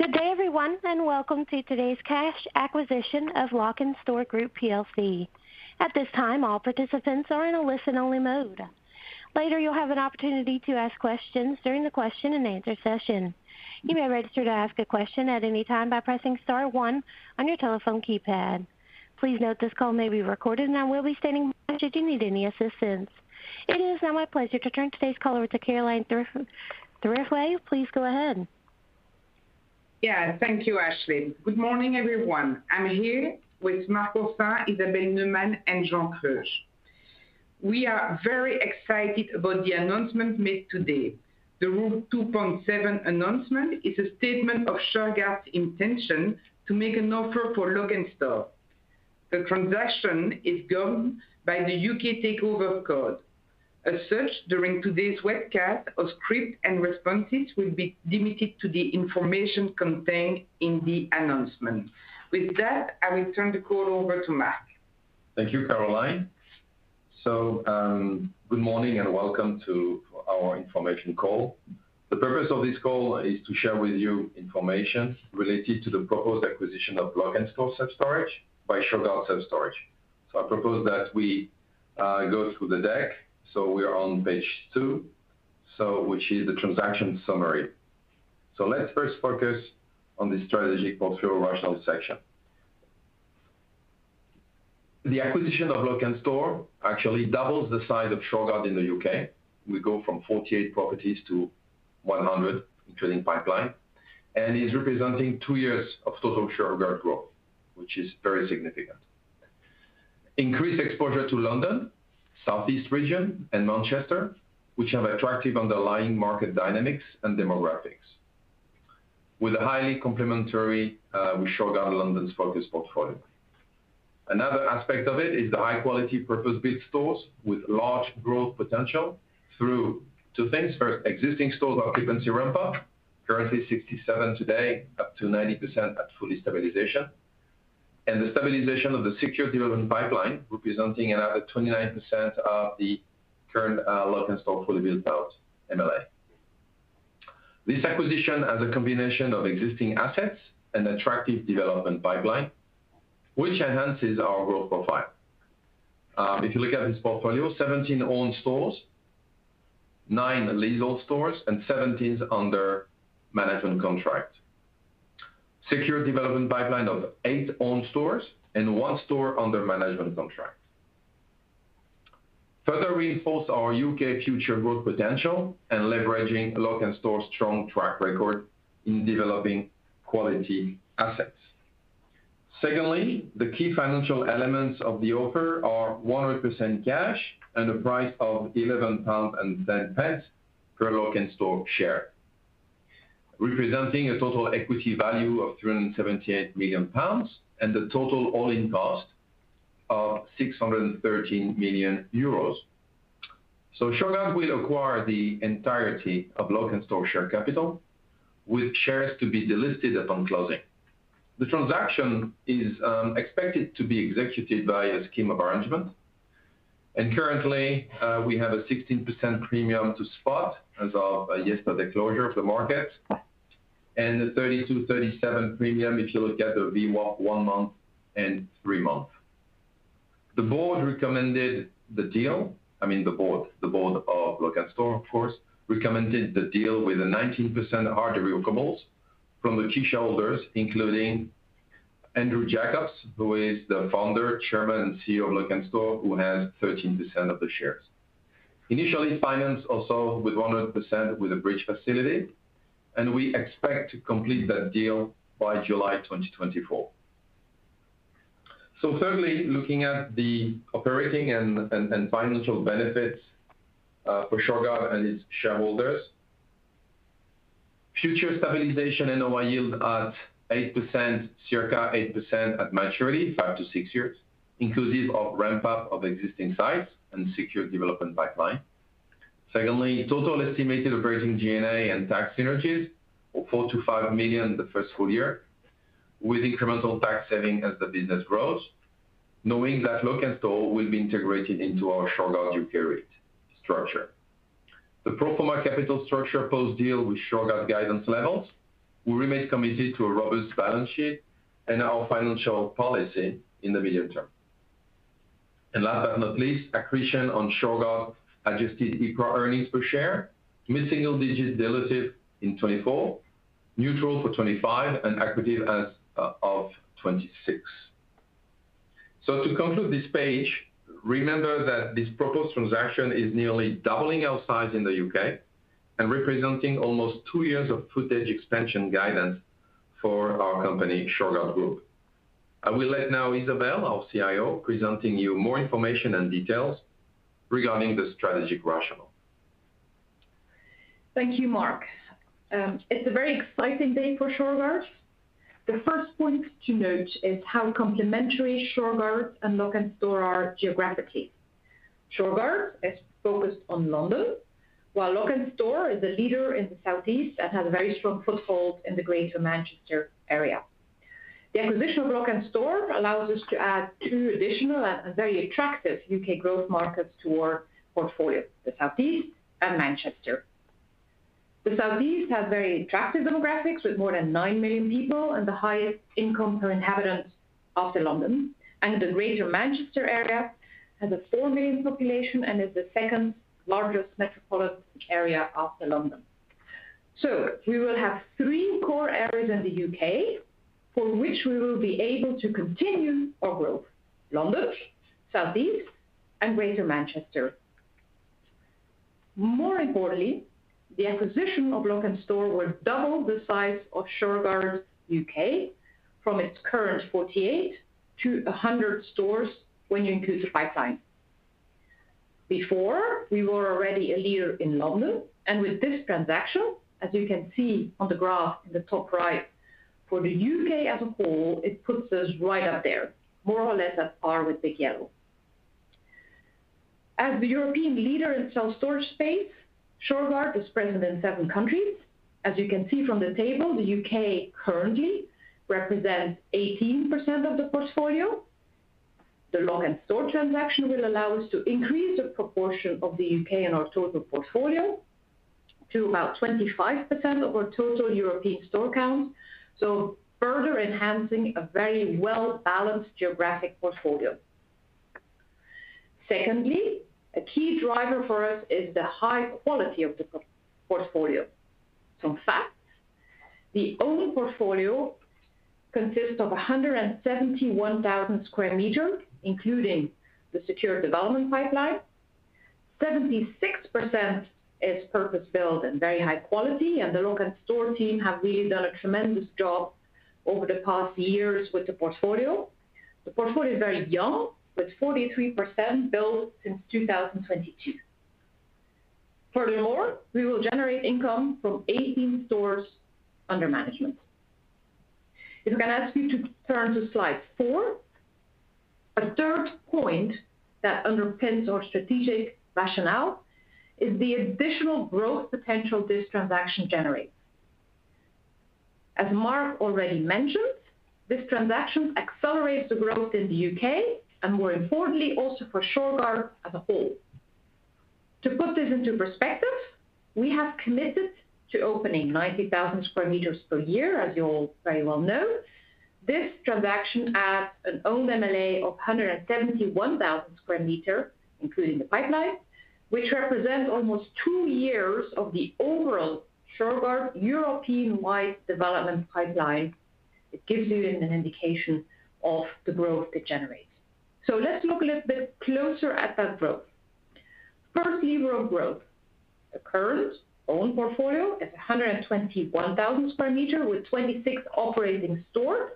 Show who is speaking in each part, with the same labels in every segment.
Speaker 1: Good day, everyone, and welcome to today's cash acquisition of Lok'nStore Group PLC. At this time, all participants are in a listen-only mode. Later, you'll have an opportunity to ask questions during the question-and-answer session. You may register to ask a question at any time by pressing star one on your telephone keypad. Please note this call may be recorded, and I will be standing by should you need any assistance. It is now my pleasure to turn today's call over to Caroline Thirifay. Please go ahead.
Speaker 2: Yeah, thank you, Ashley. Good morning, everyone. I'm here with Marc Oursin, Isabel Neumann, and Jean Kreusch. We are very excited about the announcement made today. The Rule 2.7 announcement is a statement of Shurgard's intention to make an offer for Lok'nStore. The transaction is governed by the U.K. Takeover Code. As such, during today's webcast, our script and responses will be limited to the information contained in the announcement. With that, I will turn the call over to Marc.
Speaker 3: Thank you, Caroline. So, good morning, and welcome to our information call. The purpose of this call is to share with you information related to the proposed acquisition of Lok'nStore Self Storage by Shurgard Self Storage. I propose that we go through the deck. We are on page 2, which is the transaction summary. Let's first focus on the strategic portfolio rationale section. The acquisition of Lok'nStore actually doubles the size of Shurgard in the U.K. We go from 48 properties to 100, including pipeline, and is representing 2 years of total Shurgard growth, which is very significant. Increased exposure to London, Southeast Region, and Manchester, which have attractive underlying market dynamics and demographics. With a highly complementary with Shurgard London's focus portfolio. Another aspect of it is the high-quality purpose-built stores with large growth potential through 2 things. First, existing stores occupancy ramp-up, currently 67% today, up to 90% at full stabilization. The stabilization of the secure development pipeline, representing another 29% of the current Lok'nStore fully built out MLA. This acquisition has a combination of existing assets and attractive development pipeline, which enhances our growth profile. If you look at this portfolio, 17 owned stores, 9 leasehold stores, and 17 under management contract. Secure development pipeline of 8 owned stores and 1 store under management contract. Further reinforce our U.K. future growth potential and leveraging Lok'nStore's strong track record in developing quality assets. Secondly, the key financial elements of the offer are 100% cash and a price of 11.10 pounds per Lok'nStore share, representing a total equity value of 378 million pounds, and a total all-in cost of 613 million euros. So Shurgard will acquire the entirety of Lok'nStore share capital, with shares to be delisted upon closing. The transaction is expected to be executed by a Scheme of arrangement, and currently we have a 16% premium to spot as of yesterday's closure of the market, and a 32/37 premium if you look at the VWAP one month and three month. The board recommended the deal. I mean, the board, the board of Lok'nStore, of course, recommended the deal with a 19% hard prerequisites from the key shareholders, including Andrew Jacobs, who is the founder, chairman, and CEO of Lok'nStore, who has 13% of the shares. Initially financed also with a bridge facility, and we expect to complete that deal by July 2024. So thirdly, looking at the operating and financial benefits for Shurgard and its shareholders. Future stabilization NOI yield at 8%, circa 8% at maturity, 5-6 years, inclusive of ramp-up of existing sites and secure development pipeline. Secondly, total estimated operating G&A and tax synergies of 4-5 million in the first full year, with incremental tax saving as the business grows, knowing that Lok'nStore will be integrated into our Shurgard U.K. rate structure. The pro forma capital structure post-deal with Shurgard guidance levels, we remain committed to a robust balance sheet and our financial policy in the medium term. And last but not least, accretion on Shurgard adjusted EBITDA earnings per share, mid-single digit dilutive in 2024, neutral for 2025, and accretive as of 2026. So to conclude this page, remember that this proposed transaction is nearly doubling our size in the U.K. and representing almost 2 years of footage expansion guidance for our company, Shurgard Group. I will let now Isabel, our CIO, presenting you more information and details regarding the strategic rationale.
Speaker 4: Thank you, Marc. It's a very exciting day for Shurgard. The first point to note is how complementary Shurgard and Lok'nStore are geographically. Shurgard is focused on London, while Lok'nStore is a leader in the Southeast and has a very strong foothold in the Greater Manchester area. ... The acquisition of Lok'nStore allows us to add two additional and very attractive U.K. growth markets to our portfolio, the Southeast and Manchester. The Southeast has very attractive demographics, with more than 9 million people and the highest income per inhabitant after London, and the Greater Manchester area has a 4 million population and is the second largest metropolitan area after London. So we will have three core areas in the U.K. for which we will be able to continue our growth: London, Southeast, and Greater Manchester. More importantly, the acquisition of Lok'nStore will double the size of Shurgard U.K. from its current 48 to 100 stores when you include the pipeline. Before, we were already a leader in London, and with this transaction, as you can see on the graph in the top right, for the U.K. as a whole, it puts us right up there, more or less at par with Big Yellow. As the European leader in self-storage space, Shurgard is present in seven countries. As you can see from the table, the U.K. currently represents 18% of the portfolio. The Lok'nStore transaction will allow us to increase the proportion of the U.K. in our total portfolio to about 25% of our total European store count, so further enhancing a very well-balanced geographic portfolio. Secondly, a key driver for us is the high quality of the portfolio. Some facts: the owned portfolio consists of 171,000 square meters, including the secured development pipeline. 76% is purpose-built and very high quality, and the Lok'nStore team have really done a tremendous job over the past years with the portfolio. The portfolio is very young, with 43% built since 2022. Furthermore, we will generate income from 18 stores under management. If I can ask you to turn to Slide 4. A third point that underpins our strategic rationale is the additional growth potential this transaction generates. As Marc already mentioned, this transaction accelerates the growth in the U.K. and more importantly, also for Shurgard as a whole. To put this into perspective, we have committed to opening 90,000 square meters per year, as you all very well know. This transaction adds an owned MLA of 171,000 square meters, including the pipeline, which represents almost 2 years of the overall Shurgard European-wide development pipeline. It gives you an indication of the growth it generates. So let's look a little bit closer at that growth. First lever of growth, the current owned portfolio is 121,000 square meters, with 26 operating stores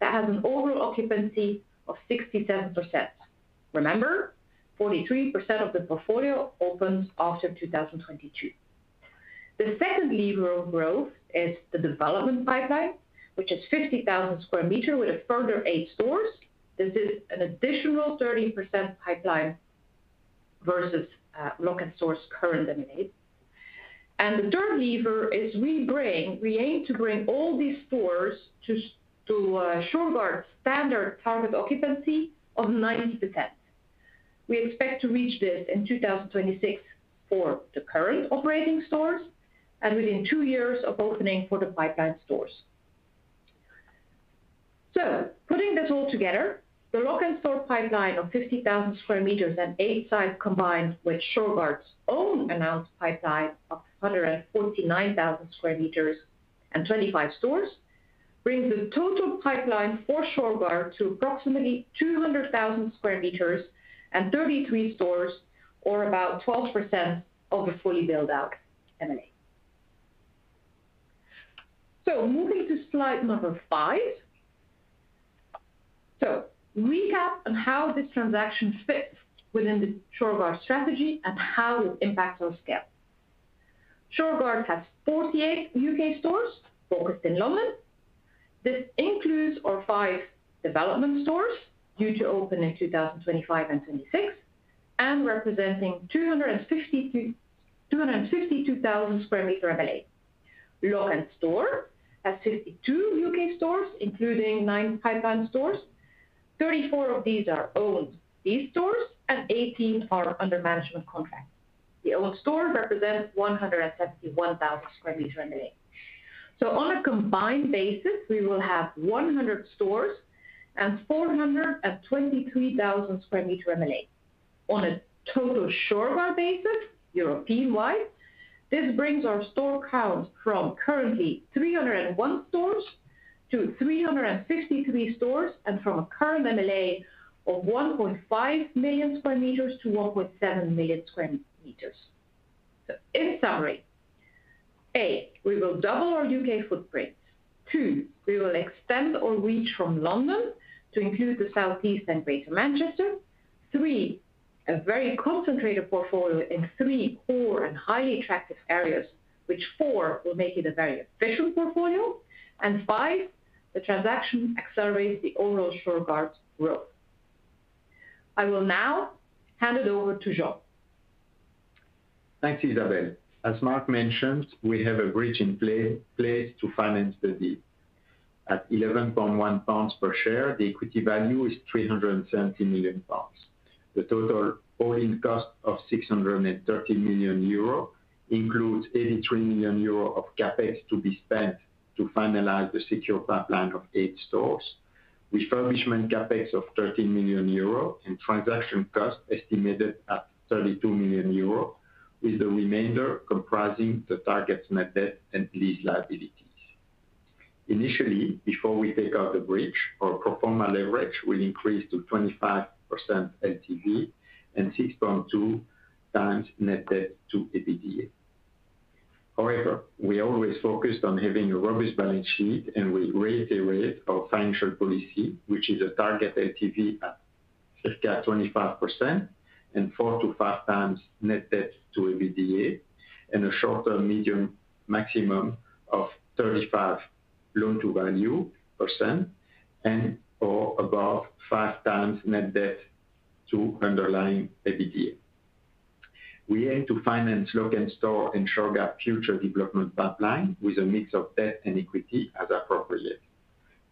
Speaker 4: that has an overall occupancy of 67%. Remember, 43% of the portfolio opens after 2022. The second lever of growth is the development pipeline, which is 50,000 square meters with a further 8 stores. This is an additional 30% pipeline versus Lok'nStore's current MLA. And the third lever is we aim to bring all these stores to Shurgard's standard target occupancy of 90%. We expect to reach this in 2026 for the current operating stores and within 2 years of opening for the pipeline stores. Putting this all together, the Lok'nStore pipeline of 50,000 square meters and 8 sites, combined with Shurgard's own announced pipeline of 149,000 square meters and 25 stores, brings the total pipeline for Shurgard to approximately 200,000 square meters and 33 stores, or about 12% of the fully built-out MLA. Moving to Slide 5. Recap on how this transaction fits within the Shurgard strategy and how it impacts our scale. Shurgard has 48 U.K. stores focused in London. This includes our 5 development stores, due to open in 2025 and 2026, and representing 252,000 square meter MLA. Lok'nStore has 52 U.K. stores, including 9 pipeline stores. Thirty-four of these are owned, these stores and 18 are under management contract. The owned stores represent 171,000 square meters MLA. So on a combined basis, we will have 100 stores and 423,000 square meters MLA. On a total Shurgard basis, European-wide, this brings our store count from currently 301 stores to 363 stores, and from a current MLA of 1.5 million square meters to 1.7 million square meters. So in summary, A, we will double our U.K. footprint. Two, we will extend our reach from London to include the Southeast and Greater Manchester. Three, a very concentrated portfolio in three core and highly attractive areas, which, four, will make it a very efficient portfolio. And five, the transaction accelerates the overall Shurgard's growth. I will now hand it over to Jean....
Speaker 5: Thanks, Isabel. As Marc mentioned, we have a bridge in place to finance the deal. At 11.1 pounds per share, the equity value is 370 million pounds. The total all-in cost of 630 million euro includes 83 million euro of CapEx to be spent to finalize the Shurgard pipeline of eight stores, refurbishment CapEx of 13 million euro, and transaction costs estimated at 32 million euro, with the remainder comprising the target net debt and lease liabilities. Initially, before we take out the bridge, our pro forma leverage will increase to 25% LTV and 6.2x net debt to EBITDA. However, we always focused on having a robust balance sheet, and we reiterate our financial policy, which is a target LTV at circa 25% and 4-5 times net debt to EBITDA, and a short-term medium maximum of 35 loan to value % and or above 5 times net debt to underlying EBITDA. We aim to finance Lok'nStore and Shurgard future development pipeline with a mix of debt and equity as appropriate.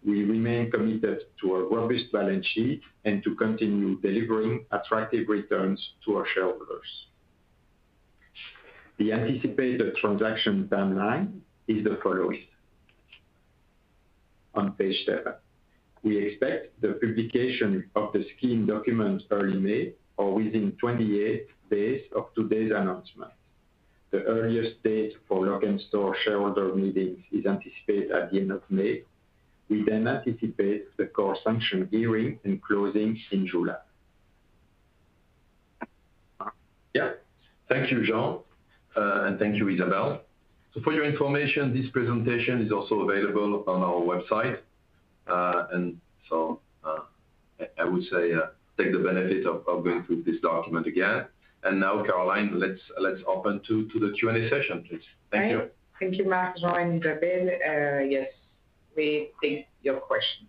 Speaker 5: We remain committed to a robust balance sheet and to continue delivering attractive returns to our shareholders. The anticipated transaction timeline is the following. On page 7. We expect the publication of the scheme documents early May or within 28 days of today's announcement. The earliest date for Lok'nStore shareholder meetings is anticipated at the end of May. We then anticipate the court sanction hearing and closing in July.
Speaker 3: Yeah. Thank you, Jean, and thank you, Isabel. So for your information, this presentation is also available on our website. So, I would say, take the benefit of going through this document again. Now, Caroline, let's open to the Q&A session, please. Thank you.
Speaker 2: Thank you, Marc, Jean, and Isabel. Yes, we take your question.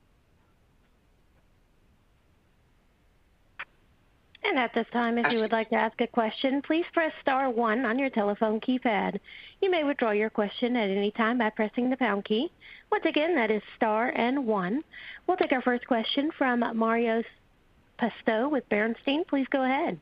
Speaker 1: At this time, if you would like to ask a question, please press star one on your telephone keypad. You may withdraw your question at any time by pressing the pound key. Once again, that is star and one. We'll take our first question from Marios Pastou with Bernstein. Please go ahead.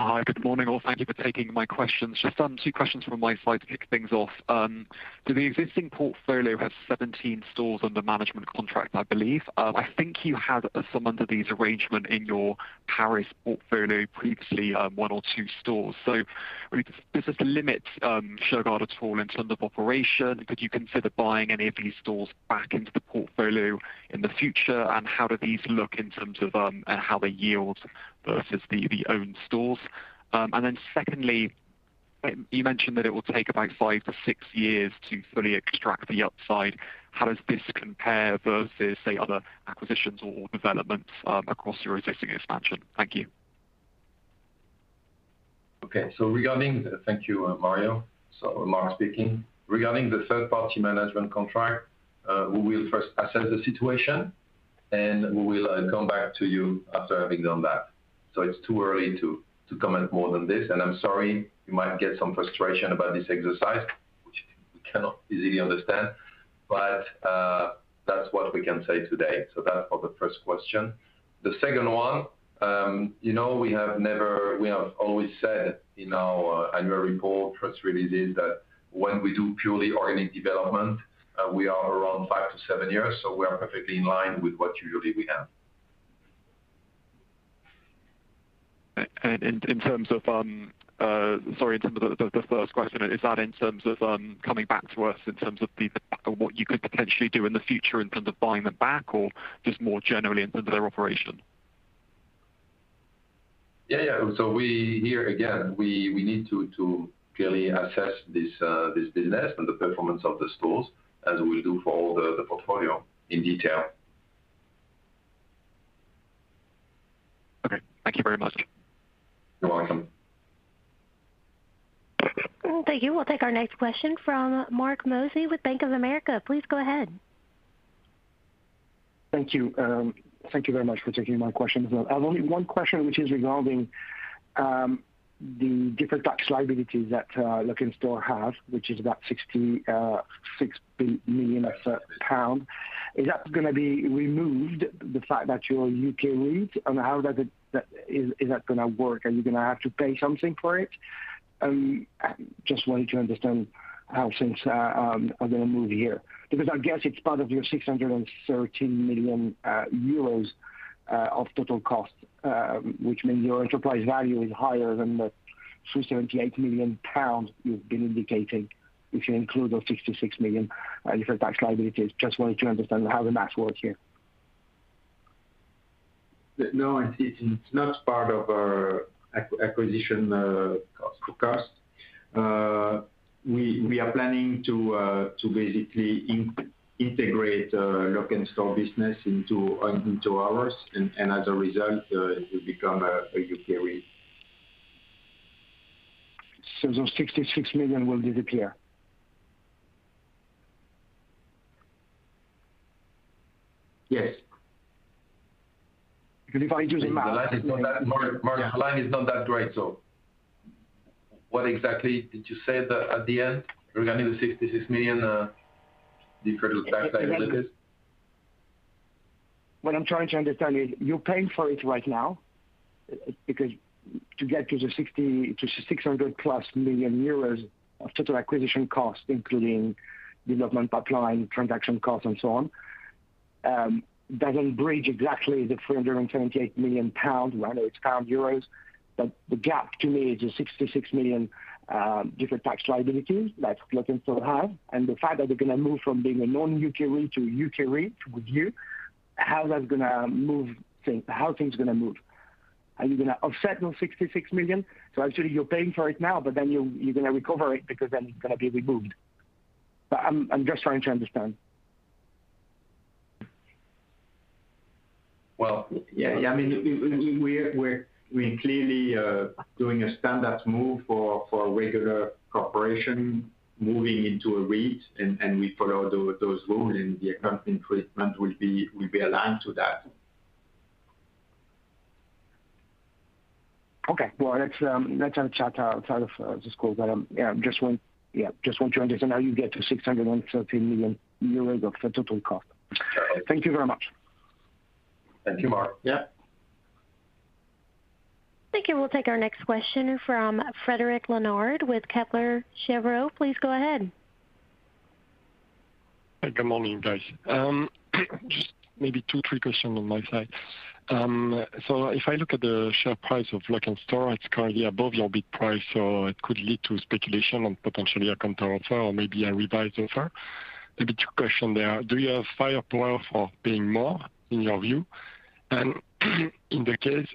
Speaker 6: Hi, good morning, all. Thank you for taking my questions. Just two questions from my side to kick things off. Do the existing portfolio have 17 stores under management contract, I believe? I think you had some under these arrangement in your Paris portfolio previously, one or two stores. So does this limit Shurgard at all in terms of operation? Could you consider buying any of these stores back into the portfolio in the future? And how do these look in terms of how they yield versus the owned stores? And then secondly, you mentioned that it will take about five to six years to fully extract the upside. How does this compare versus, say, other acquisitions or developments across your existing expansion? Thank you.
Speaker 3: Okay. So regarding... Thank you, Mario. So Marc speaking. Regarding the third-party management contract, we will first assess the situation, and we will come back to you after having done that. So it's too early to comment more than this, and I'm sorry, you might get some frustration about this exercise, which we cannot easily understand, but that's what we can say today. So that for the first question. The second one, you know, we have never - we have always said in our annual report press release that when we do purely organic development, we are around five to seven years, so we are perfectly in line with what usually we have.
Speaker 6: In terms of the first question, sorry, is that in terms of coming back to us in terms of what you could potentially do in the future in terms of buying them back or just more generally in terms of their operation?
Speaker 3: Yeah, yeah. So we here again, we need to clearly assess this business and the performance of the stores as we do for all the portfolio in detail.
Speaker 6: Okay. Thank you very much.
Speaker 3: You're welcome.
Speaker 1: Thank you. We'll take our next question from Marc Mozzi with Bank of America. Please go ahead.
Speaker 7: Thank you. Thank you very much for taking my questions as well. I have only one question, which is regarding the deferred tax liabilities that Lok'nStore have, which is about 60 million pounds. Is that gonna be removed, the fact that you're a U.K. REIT, and how that is that gonna work? Are you gonna have to pay something for it? I just wanted to understand how things are gonna move here, because I guess it's part of your 613 million euros of total cost, which means your enterprise value is higher than the 378 million pounds you've been indicating, if you include those 66 million GBP deferred tax liabilities. Just wanted to understand how the math works here.
Speaker 3: No, it's not part of our acquisition cost. We are planning to basically integrate Lok'nStore business into ours, and as a result, it will become a U.K. REIT.
Speaker 7: Those GBP 66 million will disappear?...
Speaker 3: Yes.
Speaker 7: And if I use the math-
Speaker 3: The line is not that, Marc, Marc, the line is not that great. So what exactly did you say that at the end regarding the 66 million deferred tax liabilities?
Speaker 7: What I'm trying to understand is you're paying for it right now, because to get to the 600+ million euros of total acquisition costs, including development pipeline, transaction costs, and so on, that will bridge exactly the 328 million pounds, whether it's pound, euros. But the gap to me is the 66 million deferred tax liabilities that Lok'nStore have, and the fact that they're going to move from being a non-U.K. REIT to a U.K. REIT with you, how that's going to move things? How things are going to move? Are you going to offset those 66 million? So actually you're paying for it now, but then you, you're going to recover it because then it's going to be removed. But I'm just trying to understand.
Speaker 3: Well, yeah, yeah, I mean, we're clearly doing a standard move for a regular corporation moving into a REIT, and we follow those rules, and the accounting treatment will be aligned to that.
Speaker 7: Okay. Well, let's have a chat outside of this call, but, yeah, just want... Yeah, just want to understand how you get to 613 million euros of the total cost.
Speaker 3: Okay.
Speaker 7: Thank you very much.
Speaker 3: Thank you, Marc. Yeah.
Speaker 1: Thank you. We'll take our next question from Frederic Renard with Kepler Cheuvreux. Please go ahead.
Speaker 8: Hey, good morning, guys. Just maybe two, three questions on my side. So if I look at the share price of Lok'nStore, it's currently above your bid price, so it could lead to speculation on potentially a counteroffer or maybe a revised offer. Maybe two question there. Do you have firepower for paying more, in your view? And in the case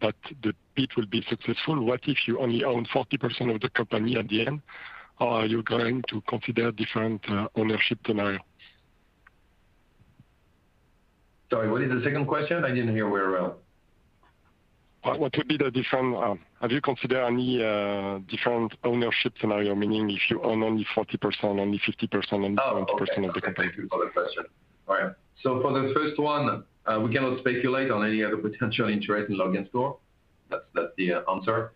Speaker 8: that the bid will be successful, what if you only own 40% of the company at the end? Are you going to consider different, ownership scenario?
Speaker 3: Sorry, what is the second question? I didn't hear very well.
Speaker 8: Have you considered any different ownership scenario? Meaning if you own only 40%, only 50%, only 20% of the company.
Speaker 3: Oh, okay. Thank you for the question. All right. For the first one, we cannot speculate on any other potential interest in Lok'nStore. That's the answer.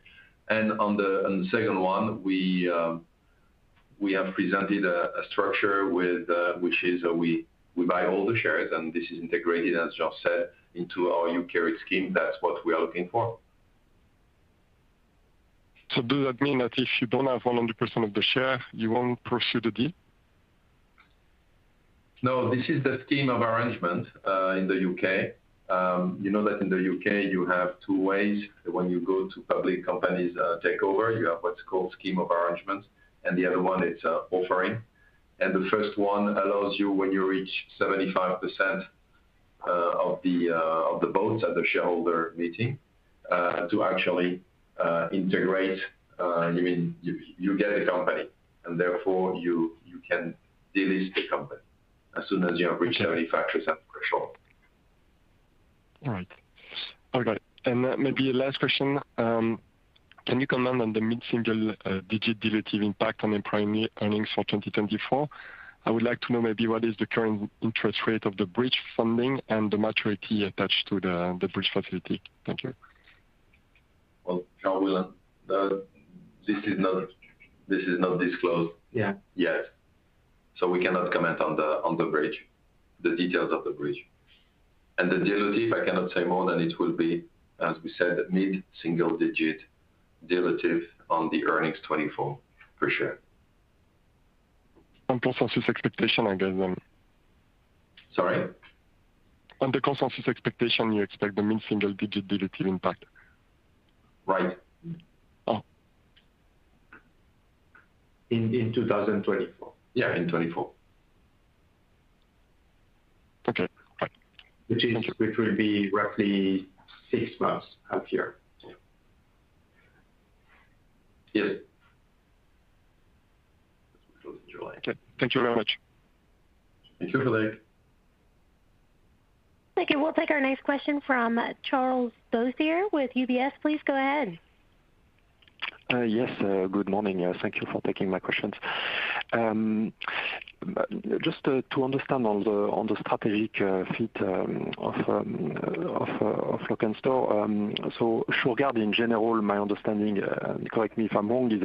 Speaker 3: On the second one, we have presented a structure with which is we buy all the shares, and this is integrated, as Jean said, into our U.K. REIT scheme. That's what we are looking for.
Speaker 8: Does that mean that if you don't have 100% of the share, you won't pursue the deal?
Speaker 3: No, this is the Scheme of Arrangement in the U.K. You know that in the U.K. you have two ways. When you go to public companies, takeover, you have what's called Scheme of Arrangement, and the other one is offer. And the first one allows you, when you reach 75% of the votes at the shareholder meeting, to actually integrate, I mean, you get a company, and therefore, you can delist the company as soon as you reach 75% control.
Speaker 8: All right. Okay, and maybe last question. Can you comment on the mid-single-digit dilutive impact on the primary earnings for 2024? I would like to know maybe what is the current interest rate of the bridge funding and the maturity attached to the bridge facility. Thank you.
Speaker 3: Well, Jean, will you this is not, this is not disclosed-
Speaker 5: Yeah...
Speaker 3: yet, so we cannot comment on the bridge, the details of the bridge. And the dilutive, I cannot say more than it will be, as we said, mid-single digit dilutive on the earnings 2024, for sure.
Speaker 8: On consensus expectation, I guess, then.
Speaker 3: Sorry?
Speaker 8: On the consensus expectation, you expect the mid-single digit dilutive impact.
Speaker 3: Right.
Speaker 8: Oh.
Speaker 5: In 2024.
Speaker 3: Yeah, in 2024.
Speaker 8: Okay.
Speaker 3: Which is, which will be roughly six months out here. Yeah.
Speaker 8: Okay. Thank you very much.
Speaker 3: Thank you, Frederic.
Speaker 1: Thank you. We'll take our next question from Charles Boissier with UBS. Please go ahead.
Speaker 9: Yes, good morning. Thank you for taking my questions. Just to understand on the strategic fit of Lok'nStore. So Shurgard in general, my understanding, correct me if I'm wrong, is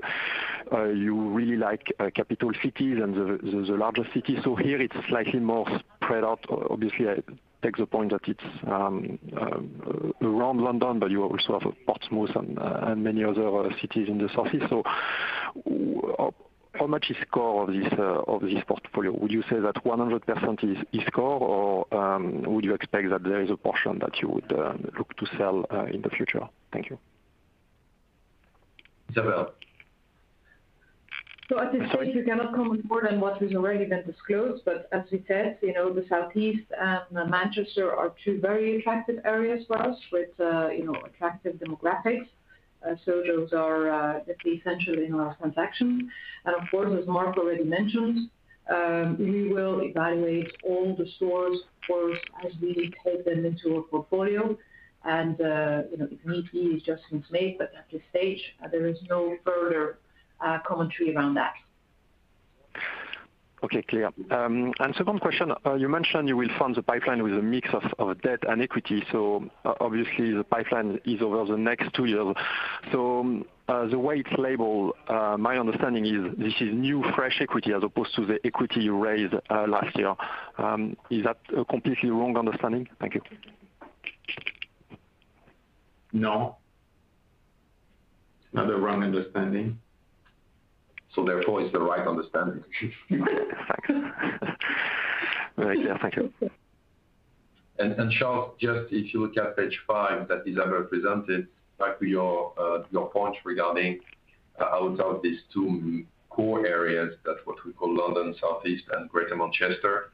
Speaker 9: you really like capital cities and the larger cities. So here it's slightly more spread out. Obviously, I take the point that it's around London, but you also have Portsmouth and many other cities in the Southeast. So how much is core of this portfolio? Would you say that 100% is core, or would you expect that there is a portion that you would look to sell in the future? Thank you.
Speaker 3: Isabelle?
Speaker 4: So at this point, we cannot comment more than what has already been disclosed. But as we said, you know, the Southeast and Manchester are two very attractive areas for us, with, you know, attractive demographics. So those are essentially in our transaction. And of course, as Mark already mentioned, we will evaluate all the stores for as we take them into our portfolio and, you know, if need be, adjustments made, but at this stage, there is no further commentary around that....
Speaker 9: Okay, clear. And second question, you mentioned you will fund the pipeline with a mix of debt and equity, so obviously, the pipeline is over the next two years. So, the way it's labeled, my understanding is this is new, fresh equity as opposed to the equity you raised last year. Is that a completely wrong understanding? Thank you.
Speaker 3: No. Not a wrong understanding. So therefore, it's the right understanding.
Speaker 9: Very clear. Thank you.
Speaker 3: Charles, just if you look at page 5 that Isabel presented, back to your point regarding out of these two core areas, that's what we call London, Southeast, and Greater Manchester,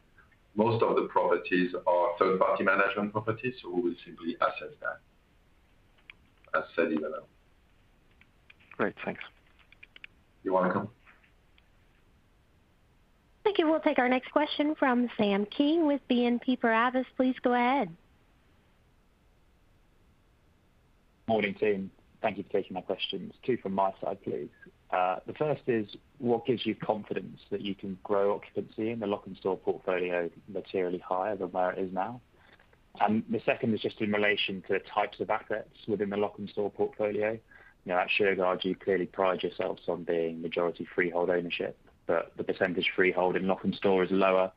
Speaker 3: most of the properties are third-party management properties, so we will simply asset that. As said, Isabel.
Speaker 9: Great, thanks.
Speaker 3: You're welcome.
Speaker 1: Thank you. We'll take our next question from Sam King with BNP Paribas. Please go ahead.
Speaker 10: Morning, team. Thank you for taking my questions. Two from my side, please. The first is: What gives you confidence that you can grow occupancy in the Lok'nStore portfolio materially higher than where it is now? And the second is just in relation to the types of assets within the Lok'nStore portfolio. You know, at Shurgard, you clearly pride yourselves on being majority freehold ownership, but the percentage freehold in Lok'nStore is lower,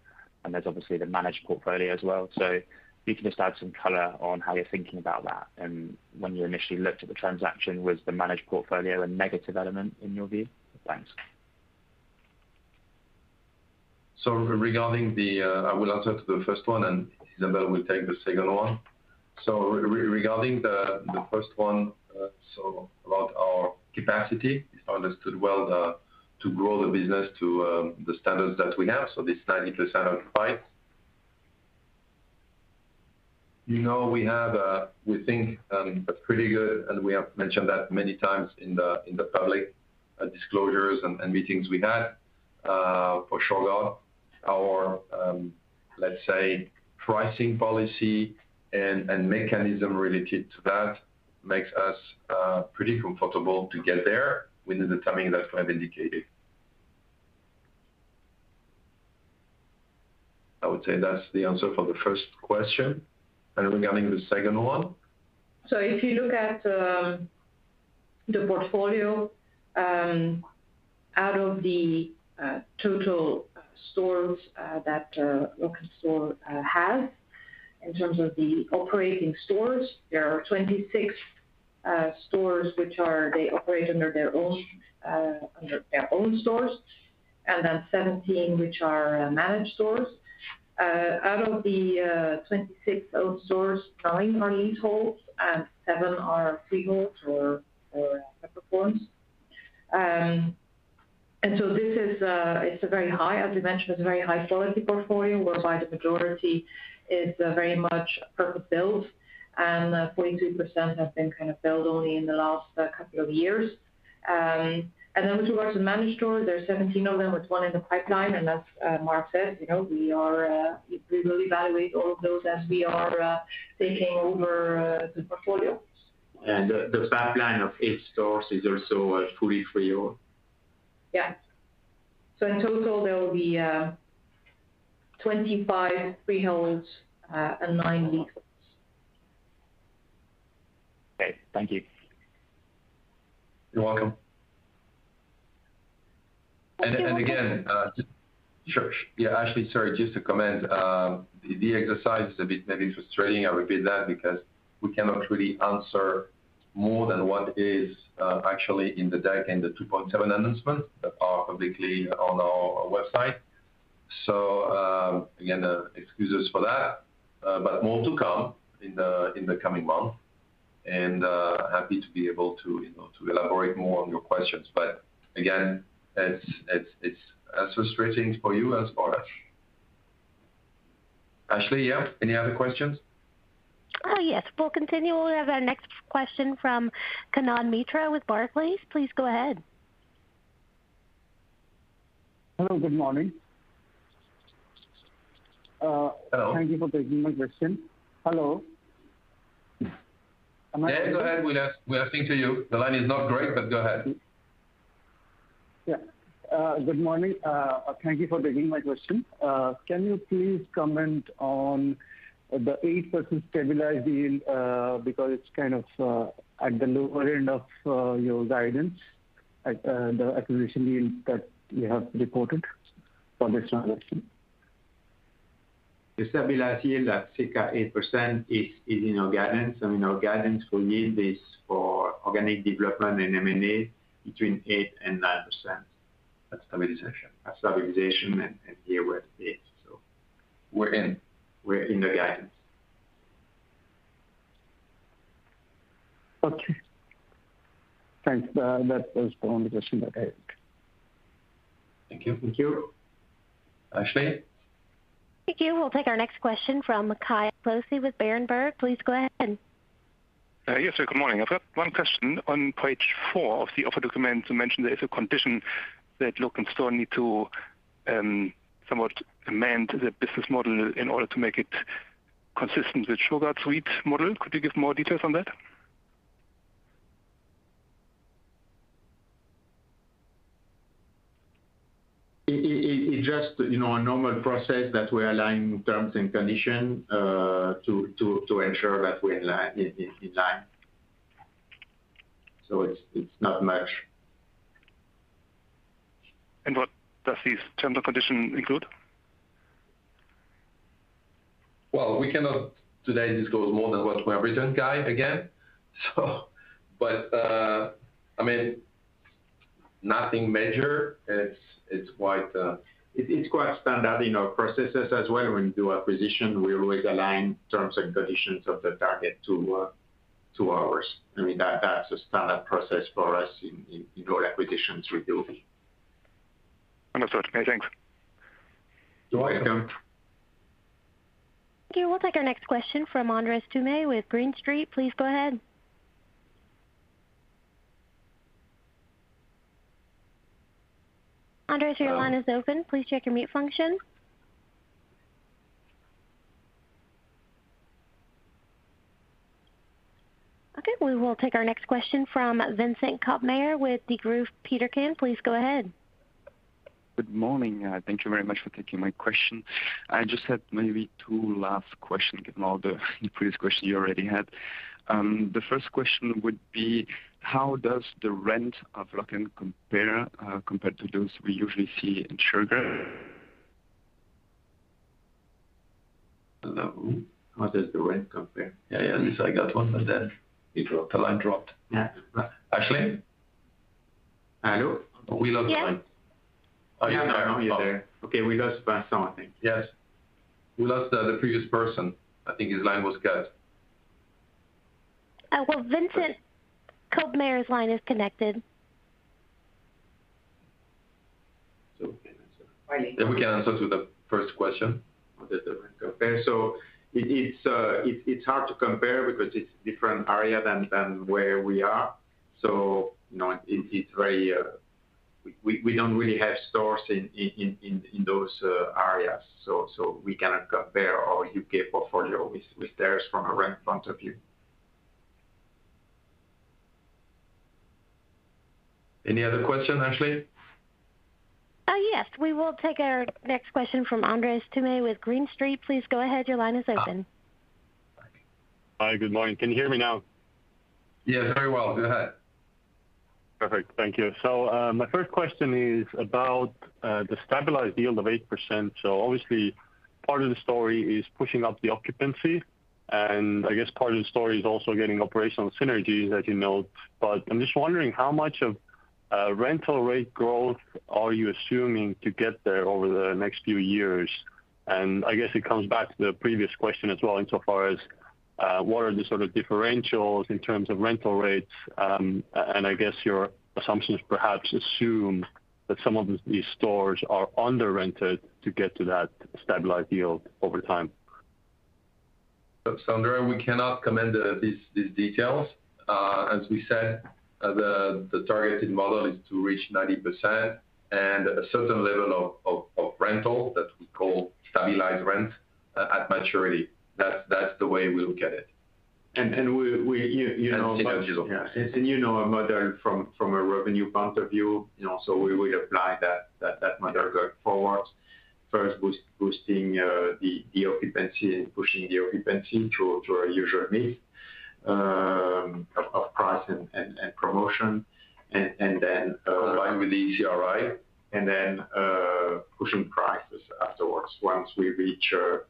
Speaker 10: and there's obviously the managed portfolio as well. So if you can just add some color on how you're thinking about that, and when you initially looked at the transaction, was the managed portfolio a negative element in your view? Thanks.
Speaker 3: So regarding the, I will answer to the first one, and Isabel will take the second one. So regarding the first one, so about our capacity, understood well, to grow the business to the standards that we have, so this 90% occupied. You know, we have we think a pretty good, and we have mentioned that many times in the public disclosures and meetings we had for Shurgard. Our let's say, pricing policy and mechanism related to that makes us pretty comfortable to get there within the timing that I've indicated. I would say that's the answer for the first question. And regarding the second one?
Speaker 4: So if you look at the portfolio, out of the total stores that Lok'nStore has, in terms of the operating stores, there are 26 stores which are they operate under their own stores, and then 17 which are managed stores. Out of the 26 owned stores, nine are leasehold and seventeen are freehold or performed. So this is, it's a very high, as you mentioned, it's a very high quality portfolio, whereby the majority is very much purpose-built, and 42% have been kind of built only in the last couple of years. And then towards the managed stores, there's 17 of them, with one in the pipeline. As Marc said, you know, we will evaluate all of those as we are taking over the portfolio.
Speaker 3: The pipeline of eight stores is also fully freehold.
Speaker 4: Yeah. So in total, there will be 25 freeholds and 9 leaseholds.
Speaker 10: Okay. Thank you.
Speaker 3: You're welcome.
Speaker 1: Thank you-
Speaker 3: And again, sure. Yeah, actually, sorry, just to comment, the exercise is a bit maybe frustrating. I repeat that because we cannot really answer more than what is actually in the deck, in the 2.7 announcement, that are publicly on our website. So, again, excuses for that, but more to come in the coming month, and happy to be able to, you know, to elaborate more on your questions. But again, it's as frustrating for you as for us. Ashley, yeah. Any other questions?
Speaker 1: Yes. We'll continue. We'll have our next question from Kanad Mitra with Barclays. Please go ahead.
Speaker 11: Hello, good morning.
Speaker 3: Hello.
Speaker 11: Thank you for taking my question. Hello? Am I-
Speaker 3: Yeah, go ahead. We are, we are listening to you. The line is not great, but go ahead.
Speaker 11: Yeah. Good morning. Thank you for taking my question. Can you please comment on the 8% stabilized yield, because it's kind of at the lower end of your guidance, at the acquisition yield that you have reported for this transaction?
Speaker 5: The stabilized yield at circa 8% is in our guidance, and in our guidance for yield is for organic development and MLA between 8%-9%.
Speaker 3: At stabilization. At stabilization and here we are 8, so. We're in.
Speaker 5: We're in the guidance.
Speaker 11: Okay. Thanks. That was the only question that I had.
Speaker 3: Thank you.
Speaker 5: Thank you.
Speaker 3: Ashley?
Speaker 1: Thank you. We'll take our next question from Kai Klose with Berenberg. Please go ahead.
Speaker 12: Yes, sir. Good morning. I've got one question. On page four of the offer document, you mentioned there is a condition that Lok'nStore need to somewhat amend the business model in order to make it consistent with Shurgard model. Could you give more details on that?
Speaker 5: It just, you know, a normal process that we're aligning terms and condition to ensure that we're in line. So it's not much.
Speaker 12: What do these terms and conditions include?
Speaker 5: Well, we cannot today disclose more than what we have written, Guy, again. So, but, I mean, nothing major. It's quite standard in our processes as well. When we do acquisition, we always align terms and conditions of the target to ours. I mean, that's a standard process for us in all acquisitions we do.
Speaker 12: Understood. Okay, thanks.
Speaker 5: You're welcome.
Speaker 1: Okay, we'll take our next question from Andres Toome with Green Street. Please go ahead. Andres, your line is open. Please check your mute function. Okay, we will take our next question from Vincent Koppmair with Degroof Petercam. Please go ahead.
Speaker 13: Good morning. Thank you very much for taking my question. I just had maybe two last question, given all the previous question you already had. The first question would be: How does the rent of Lok'nStore compare, compared to those we usually see in Shurgard?
Speaker 5: Hello? How does the rent compare?
Speaker 3: Yeah, yeah. So I got one, but then it dropped. The line dropped.
Speaker 5: Yeah.
Speaker 3: Ashley?
Speaker 5: Hello?
Speaker 3: We lost the line.
Speaker 1: Yes.
Speaker 5: Oh, you're there. Okay, we lost someone, I think.
Speaker 3: Yes. We lost the previous person. I think his line was cut.
Speaker 1: Well, Vincent Koppmair's line is connected.
Speaker 5: We can answer.
Speaker 3: We can answer to the first question on the different.
Speaker 5: Okay, so it's hard to compare because it's different area than where we are. So, you know, it's very... We don't really have stores in those areas, so we cannot compare our U.K. portfolio with theirs from a rent point of view.
Speaker 3: Any other question, Ashley?
Speaker 1: Yes, we will take our next question from Andres Toome with Green Street. Please go ahead, your line is open.
Speaker 14: Hi, good morning. Can you hear me now?
Speaker 3: Yes, very well. Go ahead.
Speaker 14: Perfect. Thank you. So, my first question is about, the stabilized yield of 8%. So obviously, part of the story is pushing up the occupancy, and I guess part of the story is also getting operational synergies, as you know. But I'm just wondering, how much of, rental rate growth are you assuming to get there over the next few years? And I guess it comes back to the previous question as well, insofar as, what are the sort of differentials in terms of rental rates? And I guess your assumptions perhaps assume that some of these stores are underrented to get to that stabilized yield over time.
Speaker 3: So Andres, we cannot comment these details. As we said, the targeted model is to reach 90% and a certain level of rental that we call stabilized rent at maturity. That's the way we look at it.
Speaker 5: And we, you know-
Speaker 3: And synergies.
Speaker 5: Yeah, and you know our model from a revenue point of view, you know, so we will apply that model going forward. First, boosting the occupancy and pushing the occupancy to our usual mix of price and promotion. And then-
Speaker 3: Combined with the CRI.
Speaker 5: And then, pushing prices afterwards once we reach our-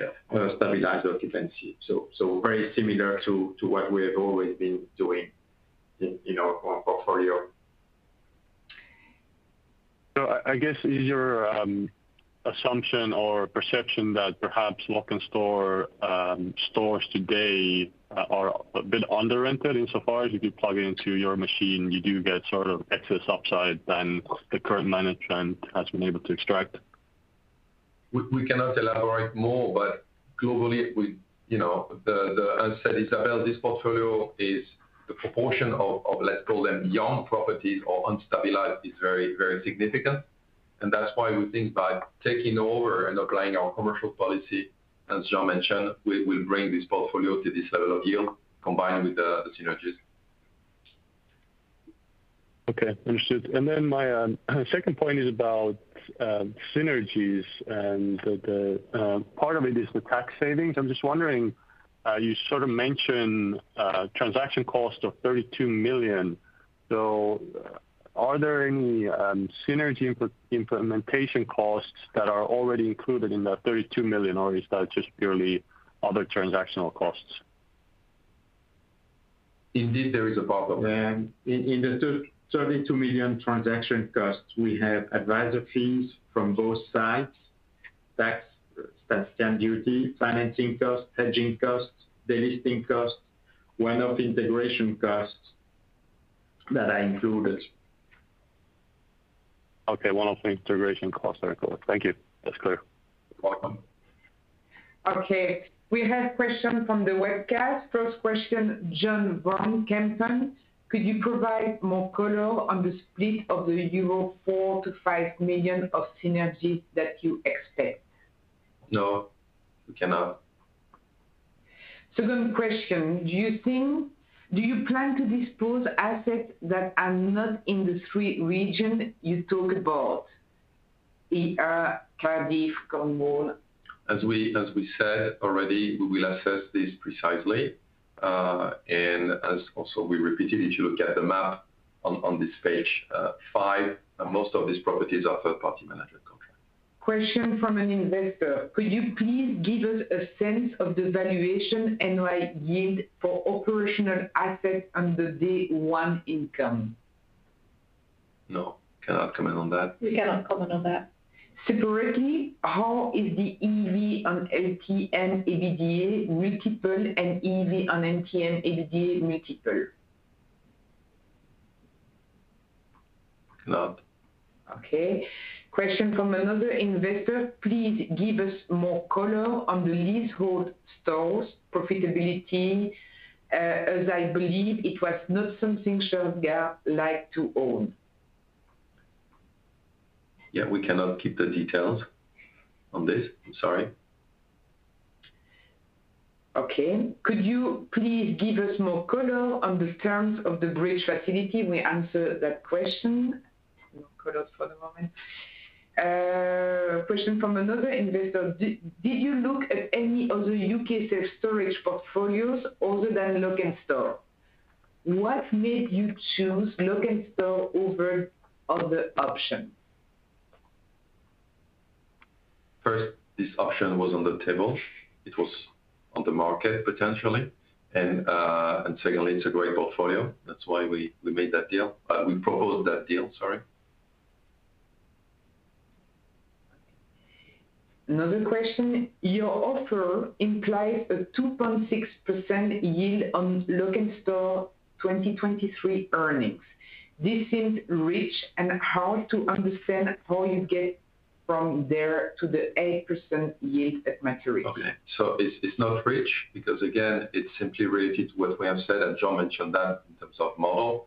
Speaker 3: Yeah...
Speaker 5: stabilized occupancy. So, very similar to what we have always been doing in our portfolio.
Speaker 14: So, I guess, is your assumption or perception that perhaps Lok'nStore stores today are a bit underrented insofar as you do plug into your machine, you do get sort of excess upside than the current management has been able to extract?
Speaker 3: We cannot elaborate more, but globally, we, you know, the... As said, Isabel, this portfolio is the proportion of, let's call them, young properties or unstabilized, is very, very significant. And that's why we think by taking over and applying our commercial policy, as Jean mentioned, we will bring this portfolio to this level of yield, combined with the synergies.
Speaker 14: Okay, understood. And then my second point is about synergies and the part of it is the tax savings. I'm just wondering, you sort of mentioned transaction cost of 32 million. So are there any synergy implementation costs that are already included in that 32 million, or is that just purely other transactional costs?
Speaker 3: Indeed, there is a part of it.
Speaker 5: In the 32 million transaction costs, we have advisor fees from both sides, tax, stamp duty, financing costs, hedging costs, delisting costs, one-off integration costs that are included.
Speaker 14: Okay, one-off integration costs. Very cool. Thank you. That's clear.
Speaker 5: You're welcome.
Speaker 2: Okay, we have question from the webcast. First question, John Vuong: Could you provide more color on the split of the euro 4-5 million of synergies that you expect?...
Speaker 3: No, we cannot.
Speaker 2: Second question. Do you think, do you plan to dispose assets that are not in the three regions you talked about, Cardiff, Cornwall?
Speaker 3: As we said already, we will assess this precisely. And as we also repeatedly, if you look at the map on this page, five, most of these properties are third-party management contract.
Speaker 2: Question from an investor: Could you please give us a sense of the valuation and high yield for operational assets under day one income?
Speaker 3: No, cannot comment on that.
Speaker 4: We cannot comment on that.
Speaker 2: Separately, how is the EV on LTM EBITDA multiple and EV on LTM EBITDA multiple?
Speaker 3: Cannot.
Speaker 2: Okay. Question from another investor: Please give us more color on the leasehold stores profitability, as I believe it was not something Shurgard like to own.
Speaker 3: Yeah, we cannot give the details on this. I'm sorry.
Speaker 2: Okay. Could you please give us more color on the terms of the bridge facility? We answered that question. No colors for the moment. Question from another investor: Did you look at any other U.K. self-storage portfolios other than Lok'nStore? What made you choose Lok'nStore over other option?
Speaker 3: First, this option was on the table. It was on the market, potentially. And secondly, it's a great portfolio. That's why we made that deal. We proposed that deal, sorry.
Speaker 2: Another question: Your offer implies a 2.6% yield on Lok'nStore 2023 earnings. This seems rich and hard to understand how you get from there to the 8% yield at maturity.
Speaker 3: Okay, so it's, it's not rich because, again, it's simply related to what we have said, and Jean mentioned that in terms of model.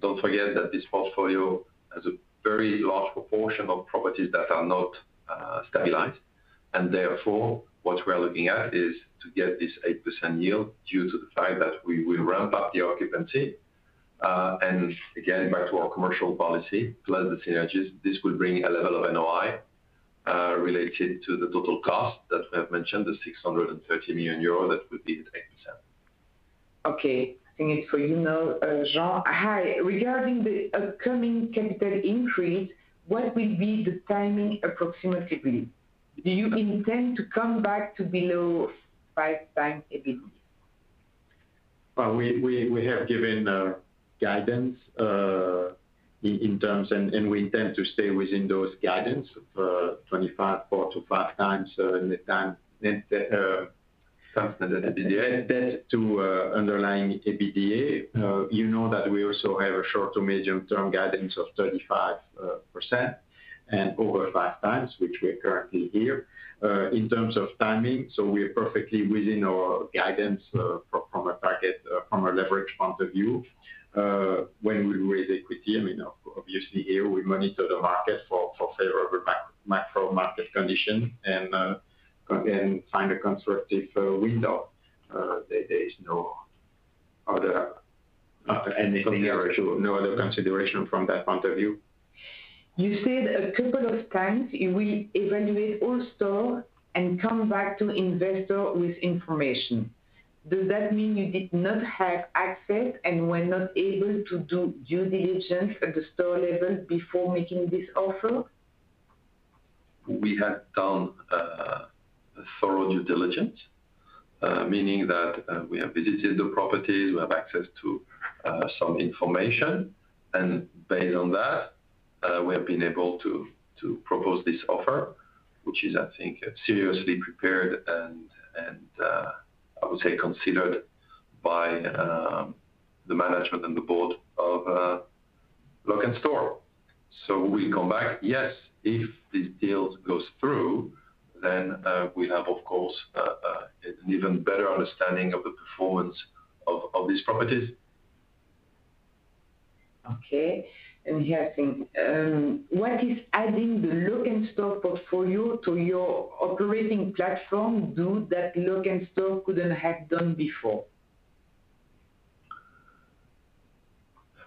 Speaker 3: Don't forget that this portfolio has a very large proportion of properties that are not stabilized, and therefore, what we are looking at is to get this 8% yield due to the fact that we will ramp up the occupancy. And again, back to our commercial policy, plus the synergies, this will bring a level of NOI related to the total cost that we have mentioned, the 630 million euro, that would be at 8%.
Speaker 2: Okay, I think it's for you now, Jean. Hi, regarding the upcoming capital increase, what will be the timing approximately? Do you intend to come back to below five times EBITDA?
Speaker 5: We have given guidance in terms... And we intend to stay within those guidance of 2.4-5 times net debt constant EBITDA, debt to underlying EBITDA. You know that we also have a short- to medium-term guidance of 35% and over five times, which we are currently here. In terms of timing, so we are perfectly within our guidance from a target from a leverage point of view. When we raise equity, I mean, obviously here we monitor the market for favorable macro market condition and find a constructive window. There is no other anything, no other consideration from that point of view.
Speaker 2: You said a couple of times you will evaluate all stores and come back to investors with information. Does that mean you did not have access and were not able to do due diligence at the store level before making this offer?
Speaker 3: We have done a thorough due diligence, meaning that, we have visited the properties, we have access to, some information, and based on that, we have been able to propose this offer, which is, I think, seriously prepared and, I would say, considered by, the management and the board of, Lok'nStore. So we come back, yes, if this deal goes through, then, we have, of course, an even better understanding of the performance of, these properties.
Speaker 2: Okay. And here, I think, what is adding the Lok'nStore portfolio to your operating platform do that Lok'nStore couldn't have done before?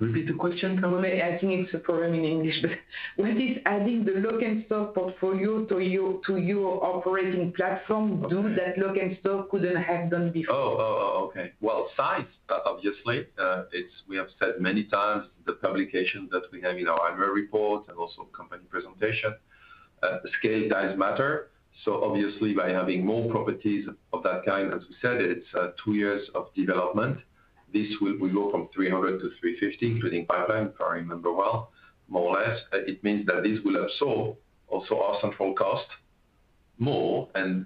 Speaker 3: Repeat the question?
Speaker 2: I think it's a problem in English, but what is adding the Lok'nStore portfolio to you, to your operating platform do that Lok'nStore couldn't have done before?
Speaker 3: Oh, okay. Well, since, obviously, it's, we have said many times, the publication that we have in our annual report and also company presentation, scale does matter. So obviously by having more properties of that kind, as we said, it's two years of development. This will go from 300 to 350, including pipeline, if I remember well, more or less. It means that this will absorb also our central cost more and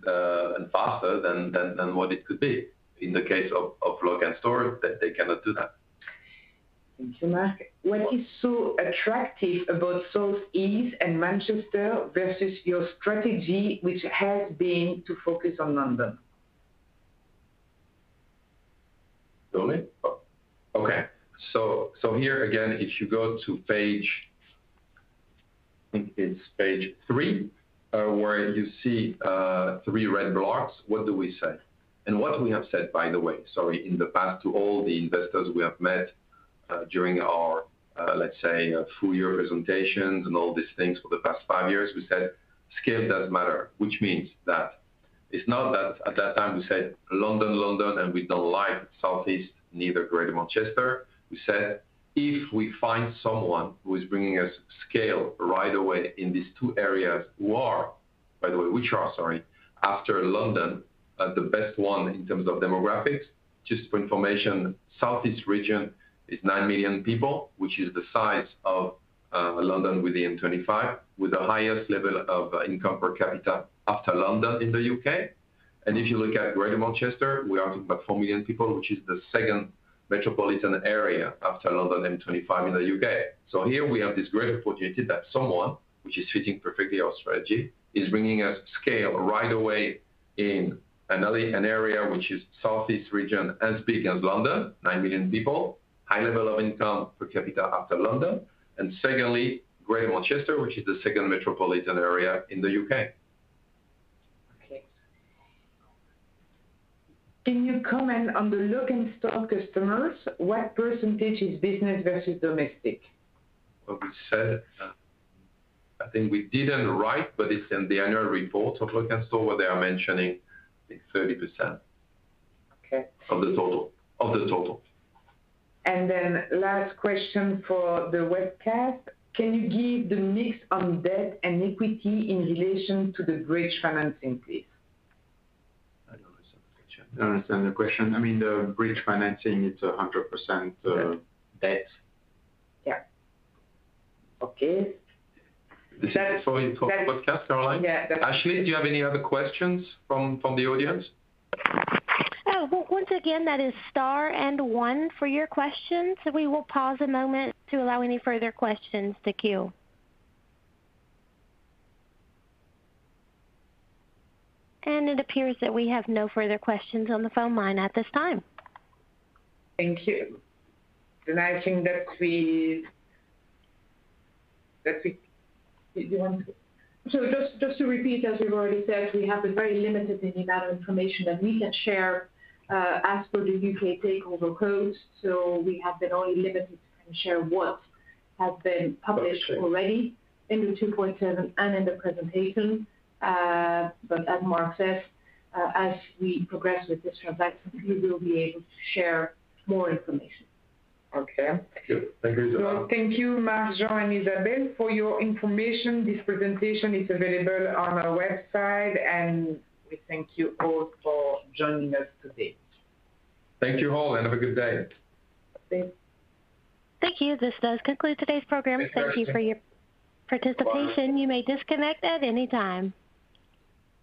Speaker 3: faster than what it could be. In the case of Lok'nStore, that they cannot do that.
Speaker 2: Thank you, Marc. What is so attractive about Southeast and Manchester versus your strategy, which has been to focus on London? ...
Speaker 3: Really? Oh, okay. So, so here again, if you go to page, I think it's page three, where you see, three red blocks, what do we say? And what we have said, by the way, sorry, in the past to all the investors we have met, during our, let's say, full year presentations and all these things for the past five years, we said, "Scale doesn't matter." Which means that it's not that at that time we said, "London, London, and we don't like Southeast, neither Greater Manchester." We said, "If we find someone who is bringing us scale right away in these two areas, who are, by the way, which are, sorry, after London, the best one in terms of demographics." Just for information, Southeast region is 9 million people, which is the size of London within 25, with the highest level of income per capita after London in the U.K. If you look at Greater Manchester, we are talking about 4 million people, which is the second metropolitan area after London, M25 in the U.K. So here we have this great opportunity that someone, which is fitting perfectly our strategy, is bringing us scale right away in another an area which is Southeast region, as big as London, 9 million people, high level of income per capita after London, and secondly, Greater Manchester, which is the second metropolitan area in the U.K.
Speaker 2: Okay. Can you comment on the Lok'nStore customers, what percentage is business versus domestic?
Speaker 3: Well, we said, I think we didn't write, but it's in the annual report of Lok'nStore, where they are mentioning it's 30%.
Speaker 2: Okay.
Speaker 3: Of the total. Of the total.
Speaker 2: Last question for the webcast: Can you give the mix on debt and equity in relation to the bridge financing, please?
Speaker 5: I don't understand the question.
Speaker 3: I don't understand the question. I mean, the bridge financing, it's 100%.
Speaker 5: Debt.
Speaker 3: -debt.
Speaker 2: Yeah. Okay. That's-
Speaker 3: This is for the podcast, Caroline?
Speaker 2: Yeah.
Speaker 3: Ashley, do you have any other questions from the audience?
Speaker 1: Oh, well, once again, that is star and one for your questions. We will pause a moment to allow any further questions to queue. It appears that we have no further questions on the phone line at this time.
Speaker 2: Thank you. And I think that we... You want to?
Speaker 4: So just to repeat, as we've already said, we have a very limited in the amount of information that we can share, as per the U.K. Takeover Code. So we have been only limited to share what has been published already in the 2.7 and in the presentation. But as Marc said, as we progress with this transaction, we will be able to share more information.
Speaker 2: Okay.
Speaker 3: Good. Thank you.
Speaker 2: Thank you, Marc, Jean, and Isabel. For your information, this presentation is available on our website, and we thank you all for joining us today.
Speaker 3: Thank you, all, and have a good day.
Speaker 2: Thanks.
Speaker 1: Thank you. This does conclude today's program.
Speaker 3: Thank you.
Speaker 1: Thank you for your participation. You may disconnect at any time.